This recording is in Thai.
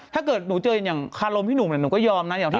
ถ้าเกิดหนูเจออย่างขารมที่หนูหนูก็ยอมนะ